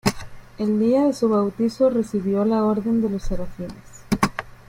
El día de su bautizo recibió la orden de los Serafines.